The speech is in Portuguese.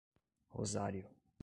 Rosário